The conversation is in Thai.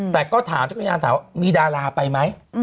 แต่ก็ถามเจ๊กุญญาณถามเขามีดาราไปมั้ย